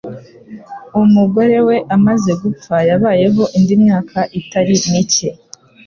Umugore we amaze gupfa, yabayeho indi myaka itari mike.